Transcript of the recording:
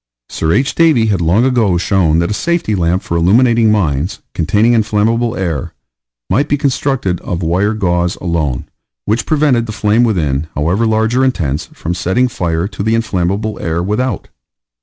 Sir H. Davy had long ago shown that a safety lamp for illuminating mines, containing inflammable air, might be constructed of wire gauze, alone, which prevented the flame within, however large or intense, from setting fire to the inflammable air without.